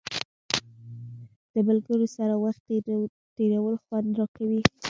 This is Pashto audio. د ملګرو سره وخت تېرول خوند راکوي.